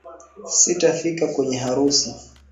Sitafika kwenye harusi.